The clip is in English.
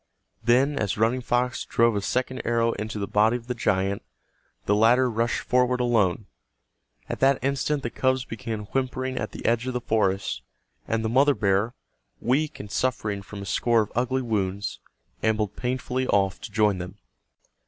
Then, as Running Fox drove a second arrow into the body of the giant, the latter rushed forward alone. At that instant the cubs began whimpering at the edge of the forest, and the mother bear, weak and suffering from a score of ugly wounds, ambled painfully off to join them.